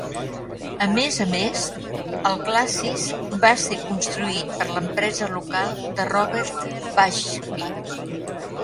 A més a més, el glacis va ser construït per l'empresa local de Robert Bushby.